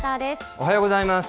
おはようございます。